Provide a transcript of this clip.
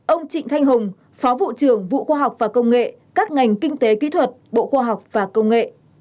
ông trịnh thanh hùng phó vụ trưởng vụ khoa học và công nghệ các ngành kinh tế kỹ thuật bộ khoa học và công nghệ